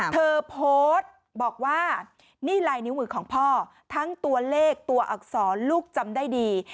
เธอโพสต์บอกว่านี่ลายนิ้วมือของพ่อทั้งตัวเลขตัวอักษรลูกจำได้ดี